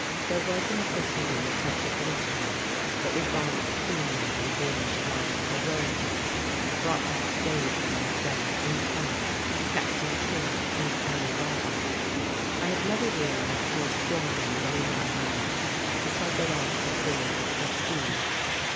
There was in the proceeding a touch of mystery that revived keenly my boyish love for romance; brought back the days when I had been, in turn, Captain Kidd and Ali Baba. I have never realized more strongly than in that moment the psychological force of prestige.